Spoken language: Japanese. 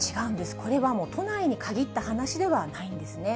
これはもう、都内に限った話ではないんですね。